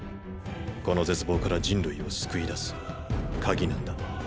この絶望から人類を救い出す「鍵」なんだ。